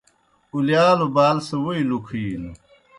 اُلِیالوْ بال سہ ووئی لُکِھینوْ۔